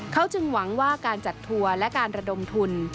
เขาจึงหวังว่าการจัดทัวร์และการระดมทุน